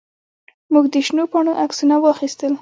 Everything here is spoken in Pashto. موږ د شنو پاڼو عکسونه واخیستل.